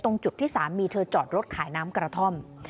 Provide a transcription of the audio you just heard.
ตรงจุดที่สามีเธอจอดรถขายน้ำกระท่อม